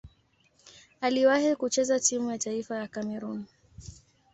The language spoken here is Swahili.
Aliwahi kucheza timu ya taifa ya Kamerun.